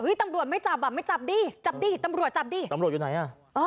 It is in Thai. ตำรวจไม่จับอ่ะไม่จับดิจับดิตำรวจจับดีตำรวจอยู่ไหนอ่ะ